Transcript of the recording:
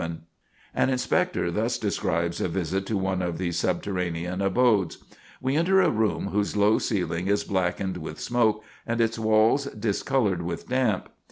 [Sidenote: A Visit to the Cave Dwellers] An Inspector thus describes a visit to one of these subterranean abodes: "We enter a room whose low ceiling is blackened with smoke, and its walls discolored with damp.